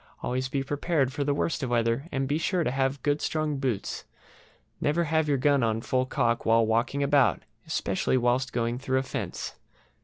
Always be prepared for the worst of weather, and be sure to have good strong boots. Never have your gun on full cock while walking about, especially whilst going through a fence.